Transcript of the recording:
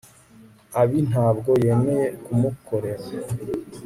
obi ntabwo yemeye kumukorera